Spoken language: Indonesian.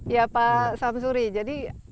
ya pak samsuri jadi